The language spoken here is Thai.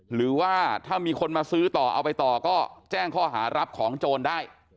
หรือว่าถ้ามีคนมาซื้อต่อเอาไปต่อก็แจ้งข้อหารับของโจรได้